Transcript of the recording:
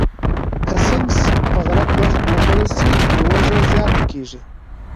که سنکس په غلط وخت وخوړل شي، لوږه زیاته کېږي.